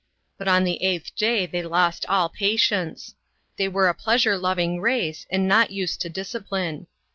But on the eighth day they lost all patience. They were a pleasure loving race and not used to discipline.